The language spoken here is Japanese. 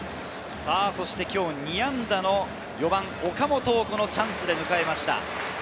そして今日２安打の４番・岡本、チャンスで迎えました。